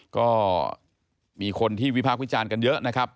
ก็มีคนที่วิพากษ์วิจารณ์กันเยอะนะครับ